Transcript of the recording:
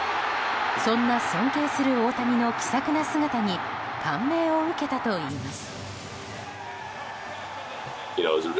そんな尊敬する大谷の気さくな姿に感銘を受けたといいます。